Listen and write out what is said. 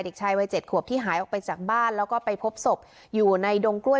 เด็กชายวัย๗ขวบที่หายออกไปจากบ้านแล้วก็ไปพบศพอยู่ในดงกล้วย